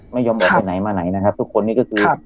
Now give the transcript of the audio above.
ไม่ยอมออกไปไหนมาไหนนะครับทุกคนนี้ก็คือ